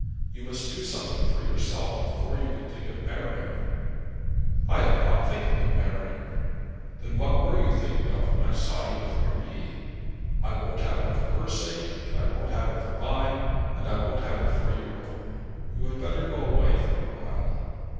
You must do something for yourself before you can think of marrying.' 'I am not thinking of marrying.' 'Then what were you thinking of when I saw you with Marie? I won't have it for her sake, and I won't have it for mine, and I won't have it for your own. You had better go away for a while.'